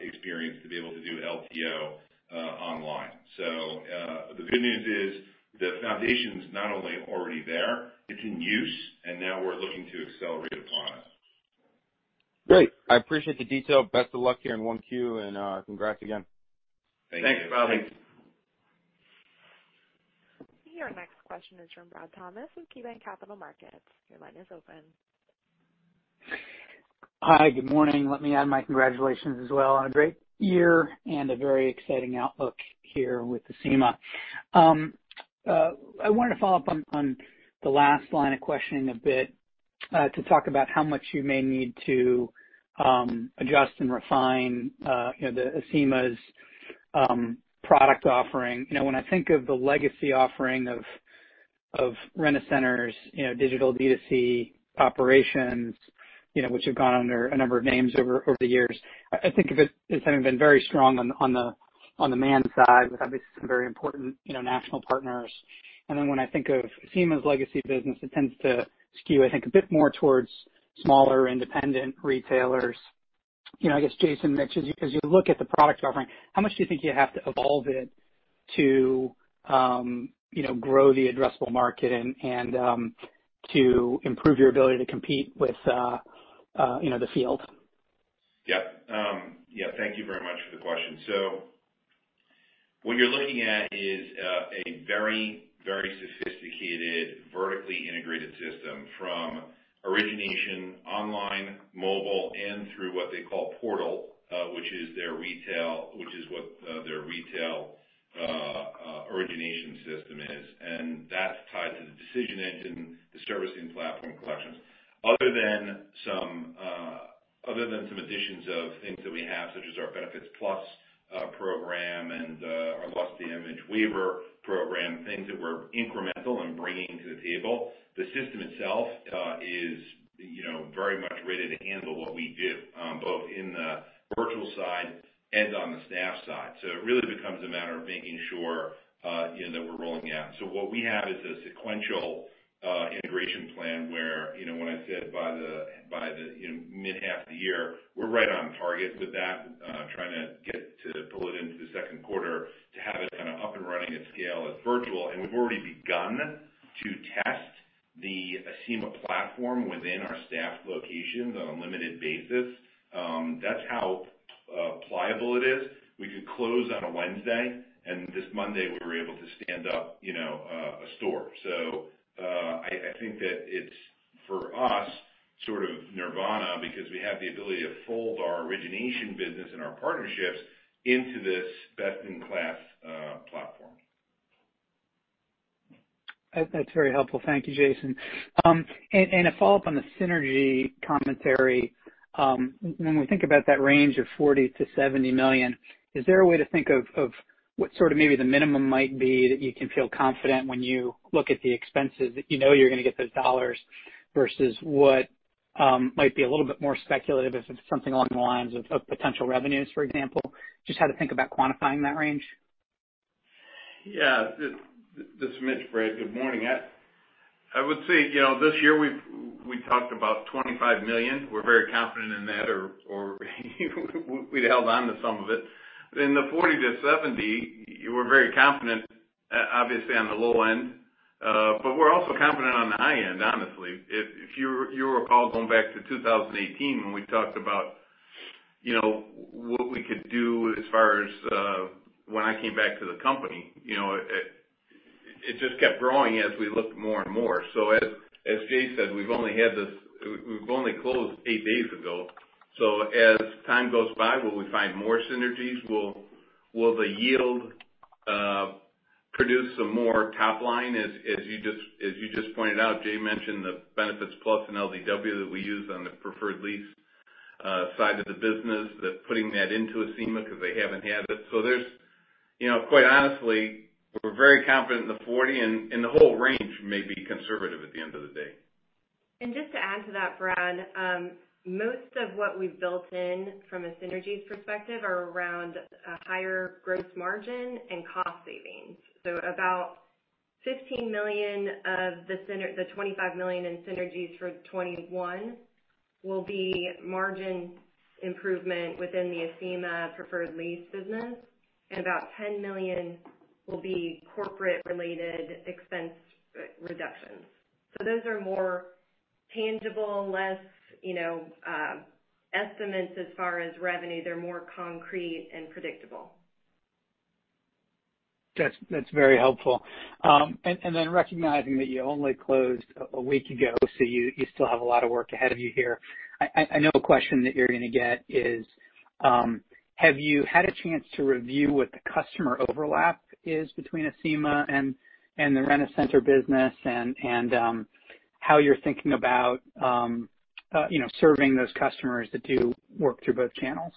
experience to be able to do LTO online. The good news is the foundation's not only already there, it's in use, and now we're looking to accelerate upon it. Great. I appreciate the detail. Best of luck here in 1Q, and congrats again. Thank you. Thanks. Your next question is from Brad Thomas with KeyBanc Capital Markets. Your line is open. Hi. Good morning. Let me add my congratulations as well on a great year and a very exciting outlook here with Acima. I wanted to follow-up on the last line of questioning a bit, to talk about how much you may need to adjust and refine Acima's product offering. When I think of the legacy offering of Rent-A-Center's digital D2C operations, which have gone under a number of names over the years. I think of it as having been very strong on the manned side with obviously some very important national partners. Then when I think of Acima's legacy business, it tends to skew, I think, a bit more towards smaller independent retailers. I guess, Jason, as you look at the product offering, how much do you think you have to evolve it to grow the addressable market and to improve your ability to compete with the field? Yep. Thank you very much for the question. What you're looking at is a very sophisticated, vertically integrated system from origination, online, mobile, and through what they call Portal, which is what their retail origination system is. That's tied to the decision engine, the servicing platform collections. Other than some additions of things that we have, such as our Benefits Plus program and our Loss Damage Waiver program, things that we're incremental in bringing to the table. The system itself is very much ready to handle what we do, both in the virtual side and on the staff side. It really becomes a matter of making sure that we're rolling out. What we have is a sequential integration plan where when I said by the mid-half of the year, we're right on target with that, trying to get to pull it into the second quarter to have it kind of up and running at scale as virtual. We've already begun to test the Acima platform within our staff locations on a limited basis. That's how pliable it is. We could close on a Wednesday, and this Monday we were able to stand up a store. I think that it's, for us, sort of nirvana because we have the ability to fold our origination business and our partnerships into this best-in-class platform. That's very helpful. Thank you, Jason. A follow-up on the synergy commentary. When we think about that range of $40 million-$70 million, is there a way to think of what sort of maybe the minimum might be that you can feel confident when you look at the expenses that you know you're going to get those dollars, versus what might be a little bit more speculative if it's something along the lines of potential revenues, for example? Just how to think about quantifying that range. Yeah. This is Mitch, Brad. Good morning. I would say, this year we've talked about $25 million. We're very confident in that or we'd held onto some of it. The $40 million-$70 million, we're very confident, obviously, on the low end. We're also confident on the high end, honestly. If you recall going back to 2018 when we talked about what we could do as far as when I came back to the company. It just kept growing as we looked more and more. As Jay said, we've only closed eight days ago. As time goes by, will we find more synergies? Will the yield produce some more top line? As you just pointed out, Jay mentioned the Benefits Plus and LDW that we use on the Preferred Lease side of the business, that putting that into Acima because they haven't had it. There's, quite honestly, we're very confident in the 40 and the whole range may be conservative at the end of the day. Just to add to that, Brad, most of what we've built in from a synergies perspective are around a higher gross margin and cost savings. About $15 million of the $25 million in synergies for 2021 will be margin improvement within the Acima Preferred Lease business, and about $10 million will be corporate related expense reductions. Those are more tangible, less estimates as far as revenue. They're more concrete and predictable. That's very helpful. Recognizing that you only closed a week ago, so you still have a lot of work ahead of you here. I know a question that you're going to get is, have you had a chance to review what the customer overlap is between Acima and the Rent-A-Center Business and how you're thinking about serving those customers that do work through both channels?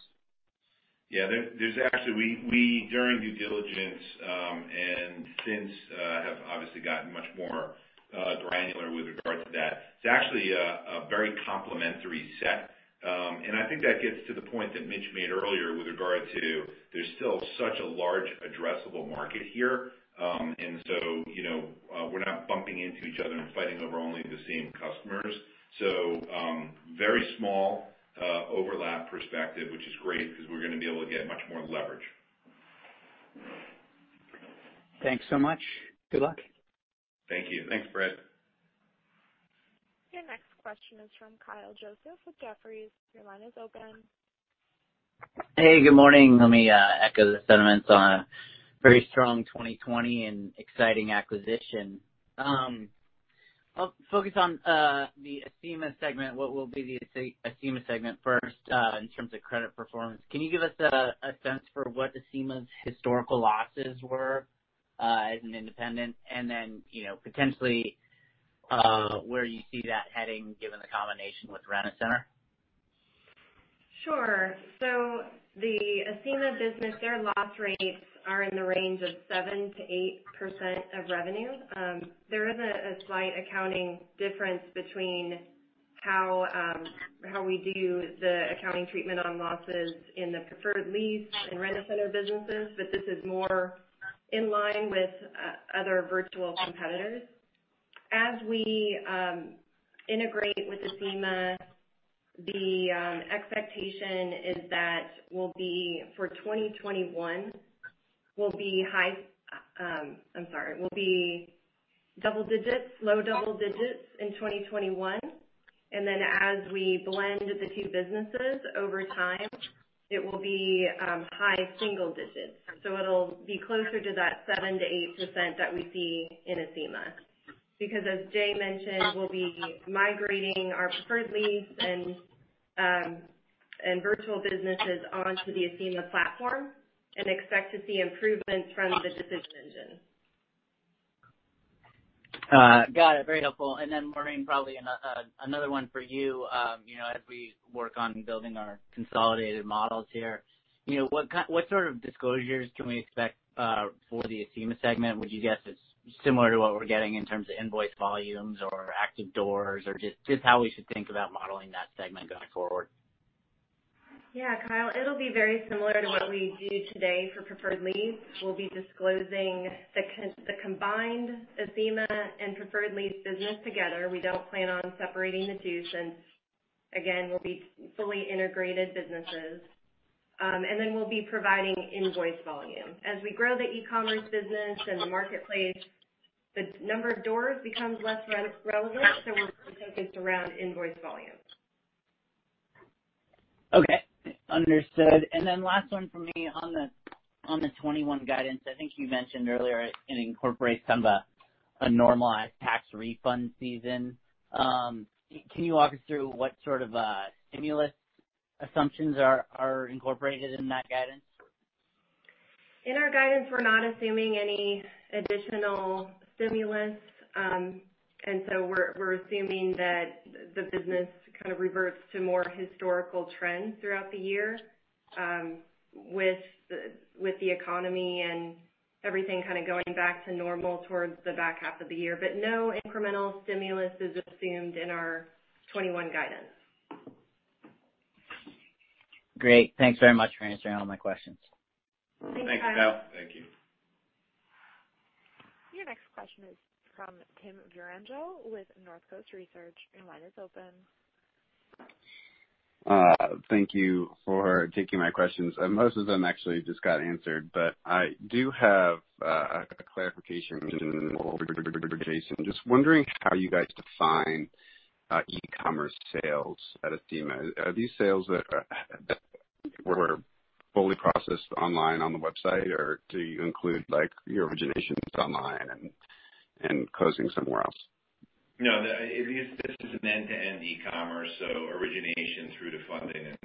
Yeah, there's actually we, during due diligence, and since, have obviously gotten much more granular with regard to that. It's actually a very complementary set. I think that gets to the point that Mitch made earlier with regard to, there's still such a large addressable market here. We're not bumping into each other and fighting over only the same customers. Very small overlap perspective, which is great because we're going to be able to get much more leverage. Thanks so much. Good luck. Thank you. Thanks, Brad. Your next question is from Kyle Joseph with Jefferies. Your line is open. Hey, good morning. Let me echo the sentiments on a very strong 2020 and exciting acquisition. I'll focus on the Acima segment, what will be the Acima segment first, in terms of credit performance. Can you give us a sense for what Acima's historical losses were, as an independent? Potentially, where you see that heading given the combination with Rent-A-Center? Sure. The Acima business, their loss rates are in the range of 7%-8% of revenue. There is a slight accounting difference between how we do the accounting treatment on losses in the Preferred Lease and Rent-A-Center businesses, but this is more in line with other virtual competitors. As we integrate with Acima, the expectation is that for 2021, we'll be double-digits, low double-digits in 2021. As we blend the two businesses over time, it will be high single-digits. It'll be closer to that 7%-8% that we see in Acima. Because as Jay mentioned, we'll be migrating our Preferred Lease and virtual businesses onto the Acima platform and expect to see improvements from the decision engine. Got it. Very helpful. Then Maureen, probably another one for you. As we work on building our consolidated models here, what sort of disclosures can we expect for the Acima segment? Would you guess it's similar to what we're getting in terms of invoice volumes or active doors, or just how we should think about modeling that segment going forward? Yeah, Kyle, it'll be very similar to what we do today for Preferred Lease. We'll be disclosing the combined Acima and Preferred Lease business together. We don't plan on separating the two since, again, we'll be fully integrated businesses. We'll be providing invoice volume. As we grow the e-commerce business and the marketplace, the number of doors becomes less relevant, so we're focused around invoice volume. Okay. Understood. Last one from me on the 2021 guidance. I think you mentioned earlier it incorporates kind of a normalized tax refund season. Can you walk us through what sort of stimulus assumptions are incorporated in that guidance? In our guidance, we're not assuming any additional stimulus. We're assuming that the business kind of reverts to more historical trends throughout the year with the economy and everything kind of going back to normal towards the back half of the year. No incremental stimulus is assumed in our 2021 guidance. Great. Thanks very much for answering all my questions. Thanks, Kyle. Thanks, Kyle. Thank you. Your next question is from Tim Vierengel with Northcoast Research. Your line is open. Thank you for taking my questions. Most of them actually just got answered. I do have a clarification, Jason. Just wondering how you guys define e-commerce sales at Acima. Are these sales that were fully processed online on the website, or do you include your originations online and closing somewhere else? No. This is an end-to-end e-commerce, so origination through to funding and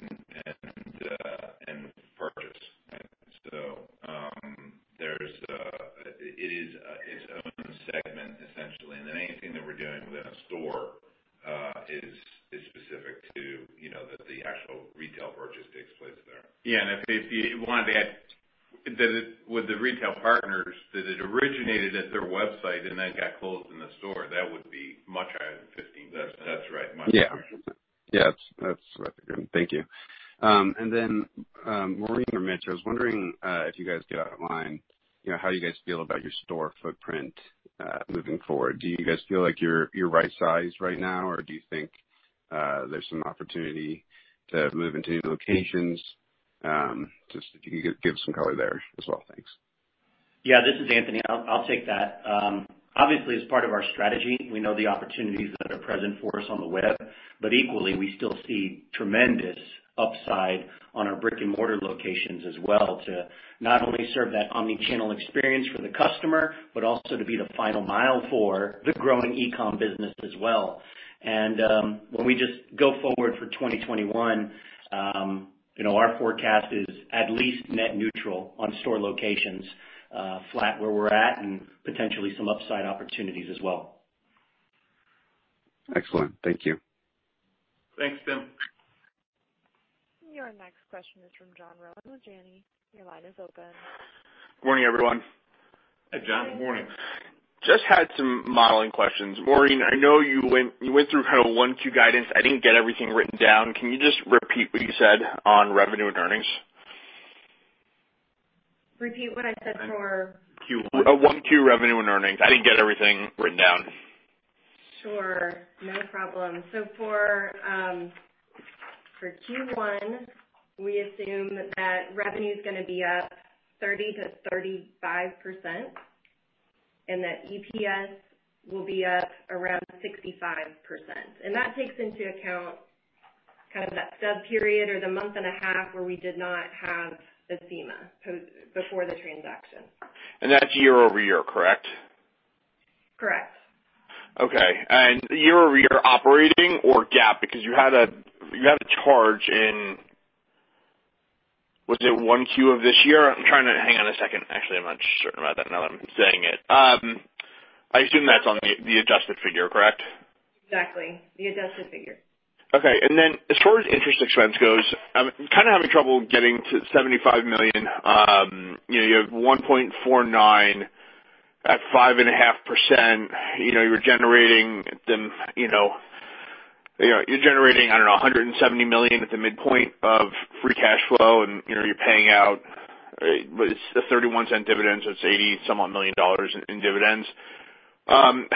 purchase. It is its own segment, essentially. Anything that we're doing within a store is specific to that the actual retail purchase takes place there. Yeah. If you wanted to add that with the retail partners, that it originated at their website and then got closed in the store, that would be much higher than 15%. That's right. Much higher. Yeah. That's what I figured. Thank you. Maureen or Mitch, I was wondering if you guys could outline how you guys feel about your store footprint moving forward. Do you guys feel like you're right-sized right now, or do you think there's some opportunity to move into new locations? Just if you could give some color there as well. Thanks. Yeah. This is Anthony. I'll take that. Obviously, as part of our strategy, we know the opportunities that are present for us on the web, but equally, we still see tremendous upside on our brick-and-mortar locations as well to not only serve that omni-channel experience for the customer, but also to be the final mile for the growing e-com business as well. When we just go forward for 2021, our forecast is at least net neutral on store locations, flat where we're at, and potentially some upside opportunities as well. Excellent. Thank you. Thanks, Tim. Your next question is from John Rowan with Janney. Your line is open. Morning, everyone. Hi, John. Morning. Just had some modeling questions. Maureen, I know you went through kind of 1Q guidance. I didn't get everything written down. Can you just repeat what you said on revenue and earnings? Repeat what I said for? 1Q revenue and earnings. I didn't get everything written down. Sure. No problem. For Q1, we assume that revenue's going to be up 30%-35%, and that EPS will be up around 65%. That takes into account kind of that stub period or the month and a half where we did not have Acima before the transaction. That's year-over-year, correct? Correct. Okay. Year-over-year operating or GAAP? You had a charge in, was it 1Q of this year? Hang on a second. Actually, I'm not certain about that now that I'm saying it. I assume that's on the adjusted figure, correct? Exactly. The adjusted figure. Okay. As far as interest expense goes, I'm kind of having trouble getting to $75 million. You have $1.49 at 5.5%. You're generating, I don't know, $170 million at the midpoint of free cash flow, you're paying out the $0.31 dividend, it's $80-some-odd million in dividends. I'm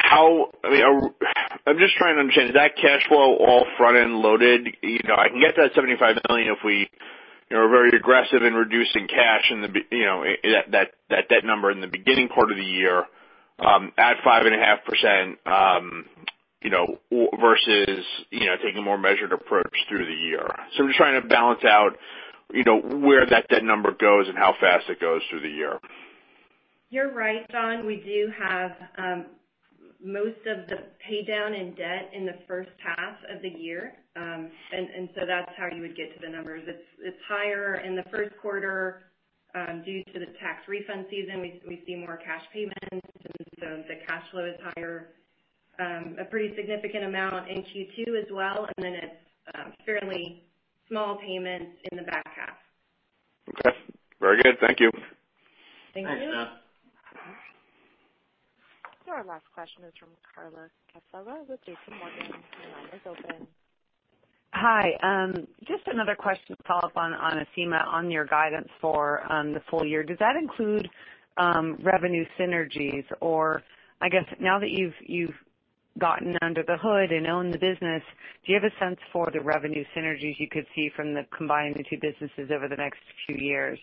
just trying to understand, is that cash flow all front-end loaded? I can get to that $75 million if we are very aggressive in reducing cash in that number in the beginning part of the year at 5.5% versus taking a more measured approach through the year. I'm just trying to balance out where that number goes and how fast it goes through the year. You're right, John. We do have most of the pay down in debt in the first half of the year. That's how you would get to the numbers. It's higher in the first quarter. Due to the tax refund season, we see more cash payments, and so the cash flow is higher. It's a pretty significant amount in Q2 as well, and then it's fairly small payments in the back half. Okay. Very good. Thank you. Thank you. Thanks, John. Our last question is from Carla Casella with JPMorgan. Your line is open. Hi. Another question to follow-up on Acima on your guidance for the full year. Does that include revenue synergies? I guess now that you've gotten under the hood and own the business, do you have a sense for the revenue synergies you could see from the combining the two businesses over the next few years?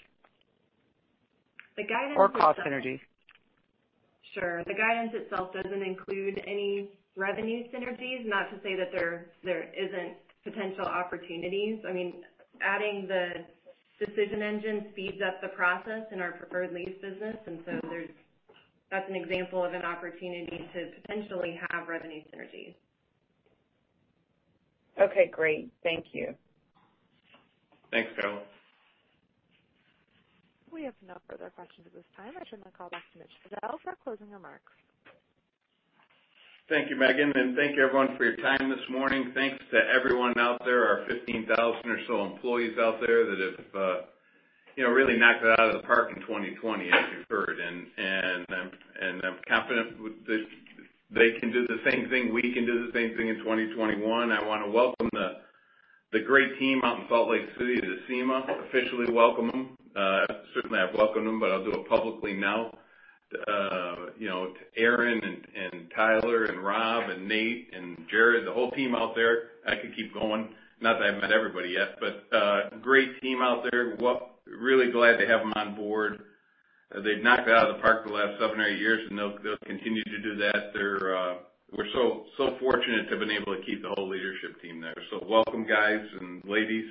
The guidance itself- Cost synergies. Sure. The guidance itself doesn't include any revenue synergies. Not to say that there isn't potential opportunities. Adding the decision engine speeds up the process in our Preferred Lease business. That's an example of an opportunity to potentially have revenue synergies. Okay, great. Thank you. Thanks, Carla. We have no further questions at this time. I turn the call back to Mitch Fadel for closing remarks. Thank you, Megan. Thank you everyone for your time this morning. Thanks to everyone out there, our 15,000 or so employees out there that have really knocked it out of the park in 2020, as you've heard. I'm confident they can do the same thing, we can do the same thing in 2021. I want to welcome the great team out in Salt Lake City to Acima, officially welcome them. Certainly, I've welcomed them, but I'll do it publicly now. To Aaron and Tyler and Rob and Nate and Jared, the whole team out there. I could keep going. Not that I've met everybody yet, but great team out there. Really glad to have them on board. They've knocked it out of the park for the last seven or eight years, and they'll continue to do that. We're so fortunate to have been able to keep the whole leadership team there. Welcome, guys and ladies,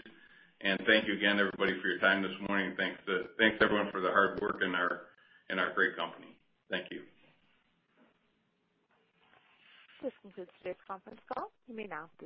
and thank you again, everybody, for your time this morning. Thanks everyone for the hard work and our great company. Thank you. This concludes today's conference call. You may now disconnect.